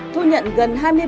thu nhận gần hai mươi ba triệu